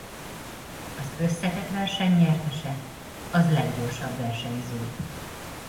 Az összetett verseny nyertese az leggyorsabb versenyző.